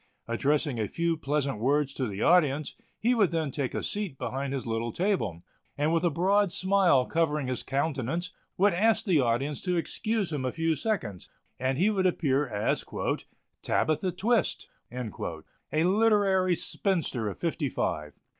Addressing a few pleasant words to the audience, he would then take a seat behind his little table, and with a broad smile covering his countenance would ask the audience to excuse him a few seconds, and he would appear as "Tabitha Twist," a literary spinster of fifty five.